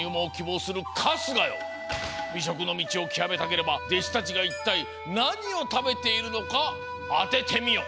びしょくのみちをきわめたければでしたちがいったいなにをたべているのかあててみよ！